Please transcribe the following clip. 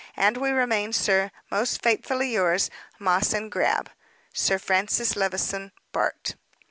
And we remain, sir, most faithfully yours, "MOSS & GRAB. "SIR FRANCIS LEVISON, Bart."